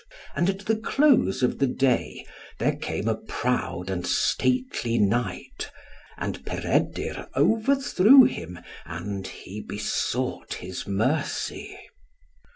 And at the close of the day, there came a proud and stately knight, and Peredur overthrew him, and he besought his mercy.